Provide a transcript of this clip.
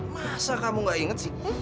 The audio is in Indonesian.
masa kamu gak inget sih